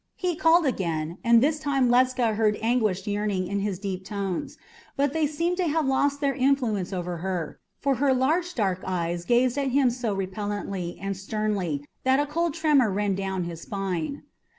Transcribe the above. He called again, and this time Ledscha heard anguished yearning in his deep tones; but they seemed to have lost their influence over her, for her large dark eyes gazed at him so repellently and sternly that a cold tremor ran down his spine.